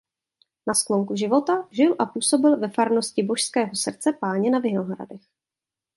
Na sklonku života žil a působil ve farnosti Božského srdce Páně na Vinohradech.